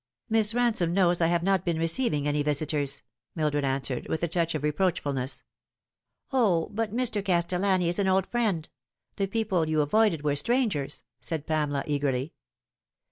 " Miss Kansome knows I have not been receiving any visitors," Mildred answered, with a touch of reproachf ulness. " O, but Mr. Castellani is an old friend ! The people you avoided were strangers," said Pamela eagerly.